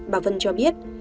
bà vân cho biết